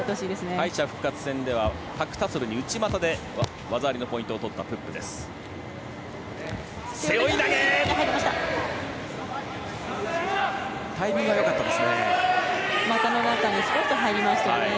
敗者復活戦ではパク・タソルに内股で技ありのポイントをとったプップです。